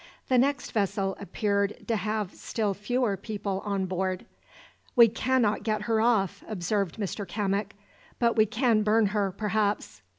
The next vessel appeared to have still fewer people on board. "We cannot get her off," observed Mr Cammock, "but we can burn her, perhaps."